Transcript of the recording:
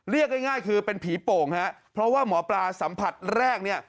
เรียกง่ายคือเป็นผีโป่งฮะเพราะว่าหมอปลาสัมผัสแรกเนี่ย